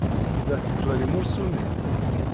La tettwalim ursu-nni?